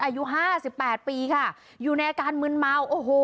อายุห้าสิบแปดปีค่ะอยู่ในอาการมึนเมาโอ้โห